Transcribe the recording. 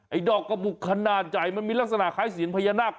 ไอ้ดอกกระบุขนาดใจมันมีลักษณะคล้ายเสียงพญานาค